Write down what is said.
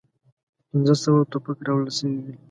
پنځه سوه توپک راوړل سوي وې.